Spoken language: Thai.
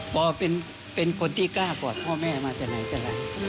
พ่อเป็นคนที่กล้ากว่าพ่อแม่มาจากไหนจากไหน